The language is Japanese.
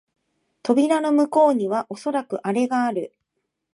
扉の向こうにはおそらくアレがある